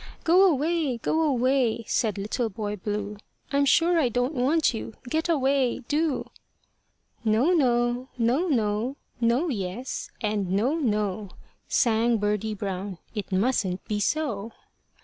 "Go away! go away!" said Little Boy Blue; "I'm sure I don't want you get away do." "No, no; no, no; no, yes, and no, no," Sang Birdie Brown, "it mustn't be so.